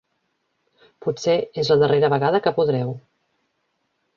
Potser és la darrera vegada que podreu.